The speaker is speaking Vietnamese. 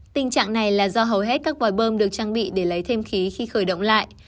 tình trạng này là do hầu hết các vòi bơm được trang bị để lấy thêm khí khi khởi động lại